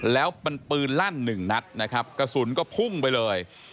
แล้วเป็นปืนลั่นหนึ่งนัดนะครับกระสุนก็พุ่งไปเลย